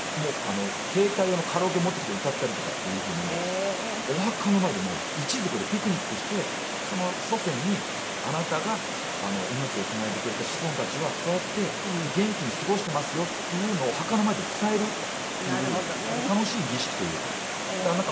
携帯用のカラオケ持ってきて歌ったりとかっていうふうにお墓の前で一族でピクニックして祖先にあなたが命をつないでくれた子孫たちはこうやって元気に過ごしていますよっていうのをお墓の前で伝えるっていう楽しい儀式というか。